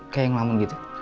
kayak ngelamun gitu